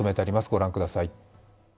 御覧ください。